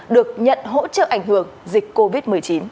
được nhận hỗ trợ ảnh hưởng dịch covid một mươi chín